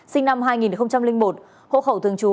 sinh năm hai nghìn một hộ khẩu thường trú